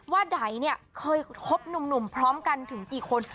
ไดเนี่ยเคยคบหนุ่มพร้อมกันถึงกี่คน